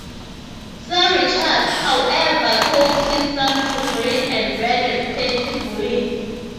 Sir Richard, however, told his son to grin and bear the petty bullying.